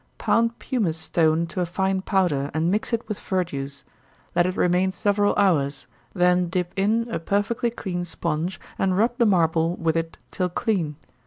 _ Pound pumice stone to a fine powder, and mix it with verjuice. Let it remain several hours, then dip in a perfectly clean sponge, and rub the marble with it till clean.